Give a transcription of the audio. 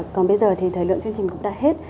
còn bây giờ thì thời lượng chương trình cũng đã hết